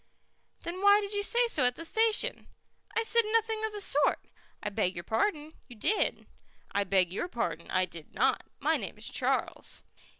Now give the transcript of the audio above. "Then why did you say so at the station?" "I said nothing of the sort." "I beg your pardon, you did." "I beg your pardon, I did not. My name is Charles."